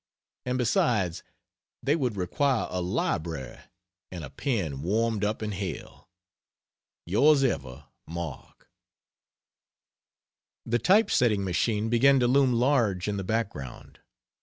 And besides, they would require a library and a pen warmed up in hell. Ys Ever MARK. The type setting machine began to loom large in the background.